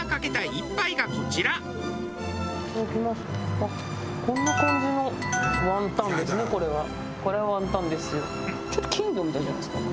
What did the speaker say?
あっこんな感じのワンタンですね